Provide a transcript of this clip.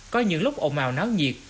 có những lúc ồn ào náo nhiệt